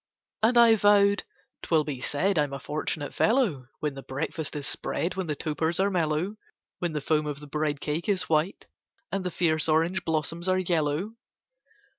And I vowed "'Twill be said I'm a fortunate fellow, When the breakfast is spread, When the topers are mellow, When the foam of the bride cake is white, and the fierce orange blossoms are yellow!"